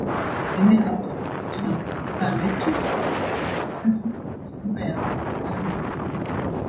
Many applications require a metric, that is, a distance measure between pairs of points.